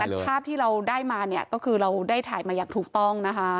ภาพที่เราได้มาเนี่ยก็คือเราได้ถ่ายมาอย่างถูกต้องนะคะ